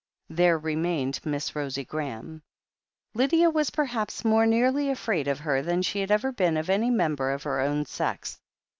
There remained Miss Rosie Graham. Lydia was perhaps more nearly afraid of her than she had ever been of any member of her own sex.